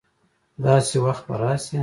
داسي وخت به راشي